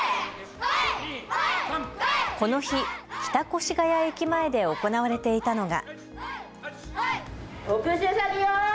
この日、北越谷駅前で行われていたのが。